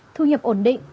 thu nhập ổn định